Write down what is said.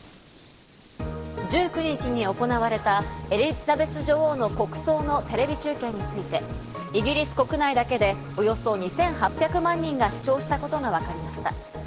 １９日に行われたエリザベス女王の国葬のテレビ中継について、イギリス国内だけでおよそ２８００万人が視聴したことがわかりました。